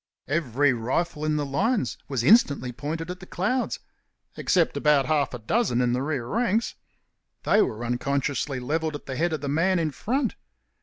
Every rifle in the lines was instantly pointed at the clouds except about half a dozen in the rear ranks. They were unconsciously levelled at the head of the man in front.